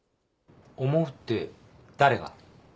思うって誰が？